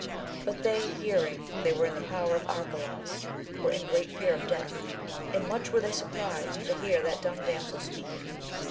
But they hearing they were in the power of Arcalaus were in great fear of death, and much were they surprised to hear that dumb damsel speak.